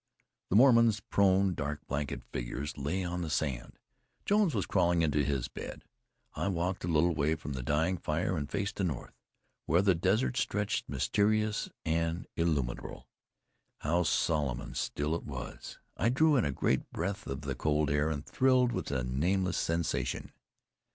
The Mormons, prone, dark, blanketed figures, lay on the sand. Jones was crawling into his bed. I walked a little way from the dying fire, and faced the north, where the desert stretched, mysterious and illimitable. How solemn and still it was! I drew in a great breath of the cold air, and thrilled with a nameless sensation.